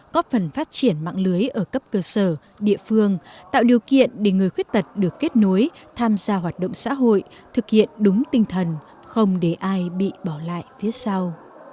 có phần phát triển mạng lưới ở cấp cơ sở địa phương tạo điều kiện để người khuyết tật được kết nối tham gia hoạt động xã hội thực hiện đúng tinh thần không để ai bị bỏ lại phía sau